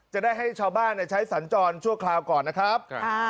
จะได้ให้ชาวบ้านใช้สัญจรชั่วคราวก่อนนะครับ